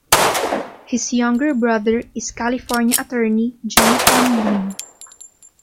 His younger brother is California attorney Jonathan Lynn.